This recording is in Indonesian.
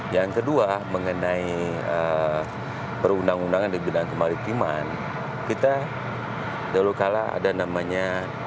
yang kedua mengenai perundang undangan di bidang kemaritiman kita dulu kala ada namanya